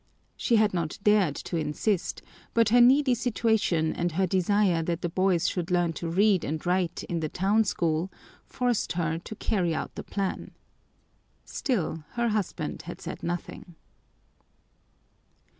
She had not dared to insist, but her needy situation and her desire that the boys should learn to read and write in the town school forced her to carry out the plan. Still her husband had said nothing.